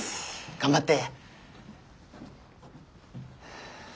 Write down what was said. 頑張って！